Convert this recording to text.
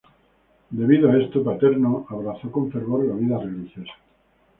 Debido a esto, Paterno abrazó con fervor la vida religiosa.